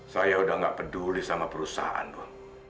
saya sudah tidak peduli sama perusahaan bu